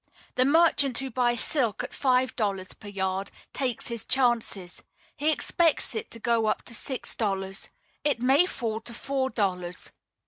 The merchant who buys silk at five dollars per yard takes his chances; he expects it to go up to six dollars; it may fall to four dollars.